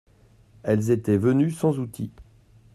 Elles étaient venues sans outil.